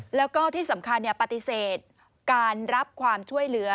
แล้วก็ที่สำคัญปฏิเสธการรับความช่วยเหลือ